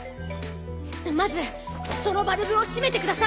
まずそのバルブを閉めてください。